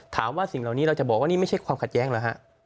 สิ่งเหล่านี้เราจะบอกว่านี่ไม่ใช่ความขัดแย้งเหรอฮะ